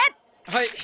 はい。